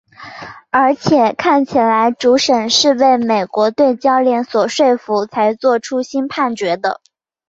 而且看起来主审是被美国队教练所说服才做出新判决的。